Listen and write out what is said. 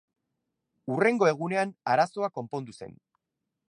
Hurrengo egunean arazoa konpondu zen.